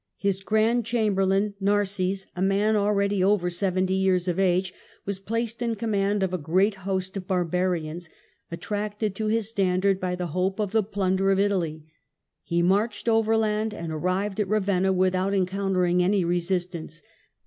His Grand Chamberlain, Narses^ a man already over seventy years of age, was placed in command of a great host of barbarians, attracted to his standard by the hope of the plunder of Italy. He marched overland, and arrived at Kavenna without encountering any resistance.